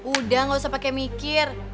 udah gak usah pakai mikir